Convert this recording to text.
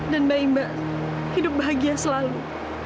dan mbak imah hidup bahagia selalu